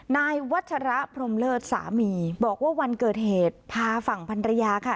นายวัชระพรมเลิศสามีบอกว่าวันเกิดเหตุพาฝั่งพันรยาค่ะ